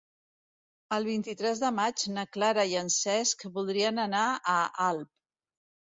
El vint-i-tres de maig na Clara i en Cesc voldrien anar a Alp.